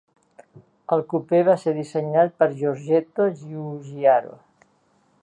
El cupè va ser dissenyat per Giorgetto Giugiaro.